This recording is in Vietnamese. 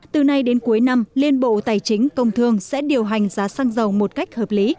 từ nay đến cuối năm liên bộ tài chính công thương sẽ điều hành giá xăng dầu một cách hợp lý